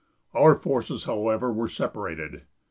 Our forces, however, were separated.